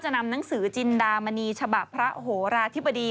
นังสือจินดามณีชบะพระโหราธิบดี